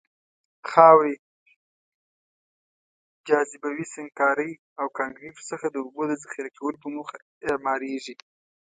خاورې، جاذبوي سنګکارۍ او کانکریتو څخه د اوبو د ذخیره کولو په موخه اعماريږي.